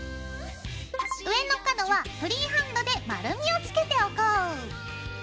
上の角はフリーハンドで丸みをつけておこう！